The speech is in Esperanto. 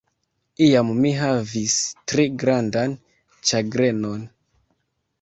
Iam mi havis tre grandan ĉagrenon.